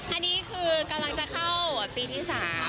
อันนี้คือกำลังจะเข้าปีที่๓